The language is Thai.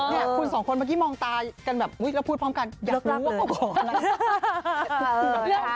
คุณสองคนเมื่อกี้มองตากันแบบแล้วพูดพร้อมกันอยากรู้ว่าก็ขออะไร